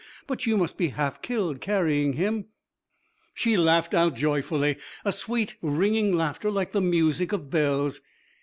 'But you must be half killed carrying him.' She laughed out joyfully, a sweet ringing laughter like the music of bells.